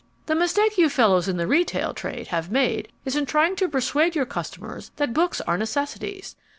The mistake you fellows in the retail trade have made is in trying to persuade your customers that books are necessities.